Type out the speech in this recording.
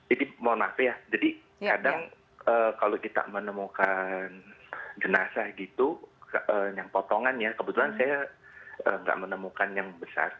ini mohon maaf ya jadi kadang kalau kita menemukan jenazah gitu yang potongan ya kebetulan saya nggak menemukan yang besar